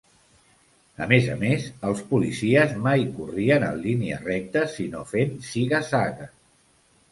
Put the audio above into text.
A més a més, els policies mai corrien en línia recta sinó fent ziga-zagues.